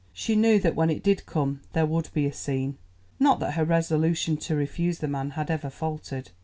She knew that when it did come there would be a scene. Not that her resolution to refuse the man had ever faltered.